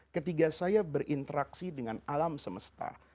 ketika saya berinteraksi dengan alam semesta